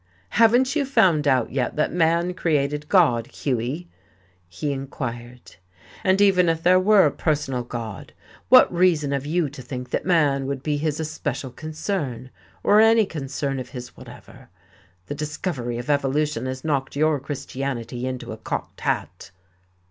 "Haven't you found out yet that man created God, Hughie?" he inquired. "And even if there were a personal God, what reason have you to think that man would be his especial concern, or any concern of his whatever? The discovery of evolution has knocked your Christianity into a cocked hat."